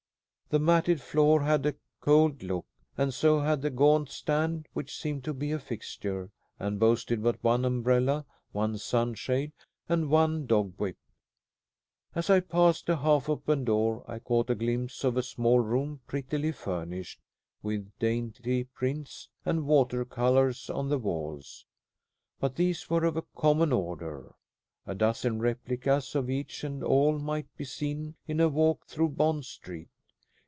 The matted floor had a cold look, and so had the gaunt stand which seemed to be a fixture, and boasted but one umbrella, one sunshade, and one dog whip. As I passed a half open door I caught a glimpse of a small room prettily furnished, with dainty prints and water colors on the walls. But these were of a common order. A dozen replicas of each and all might be seen in a walk through Bond Street.